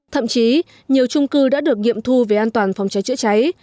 thậm chí nhiều trung cư đã được nghiệm thu về an toàn phòng cháy chữa cháy